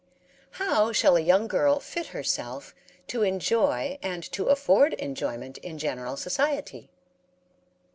How shall a young girl fit herself to enjoy and to afford enjoyment in general society?